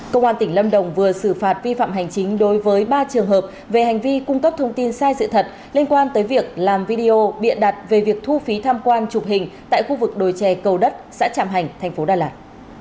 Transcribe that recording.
công an tỉnh lâm đồng vừa xử phạt vi phạm hành chính đối với ba trường hợp về hành vi cung cấp thông tin sai sự thật liên quan tới việc làm video bịa đặt về việc thu phí tham quan chụp hình tại khu vực đồi trè cầu đất xã tràm hành thành phố đà lạt